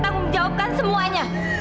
tapi aku berbahagia